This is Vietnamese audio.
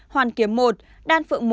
hoàn kiếm một đan phượng một